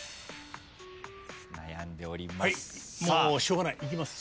悩んでおります。